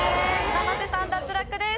生瀬さん脱落です。